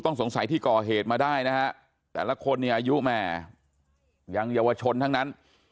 สงสัยที่ก่อเหตุมาได้นะฮะแต่ละคนเนี่ยอายุแม่ยังเยาวชนทั้งนั้น